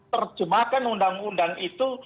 terjemahkan undang undang itu